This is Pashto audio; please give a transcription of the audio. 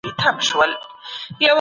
موږ د حق غوښتونکي يو.